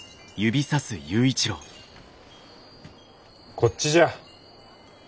こっちじゃ。